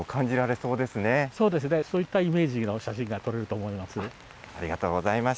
そうですね、そういったイメージの写真が撮れると思います。